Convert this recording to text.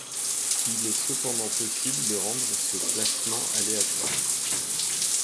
Il est cependant possible de rendre ce placement aléatoire.